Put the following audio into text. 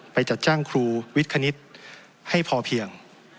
จัดจ้างครูวิทคณิตให้พอเพียง